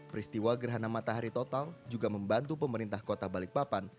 peristiwa gerhana matahari total juga membantu pemerintah kota balikpapan